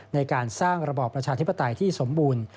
ในการสร้างระบอบประชาธิปไตยที่สมบูรณ์